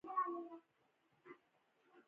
که غریب مړ شې دا ستا تېروتنه ده.